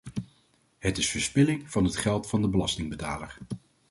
Het is verspilling van het geld van de belastingbetaler.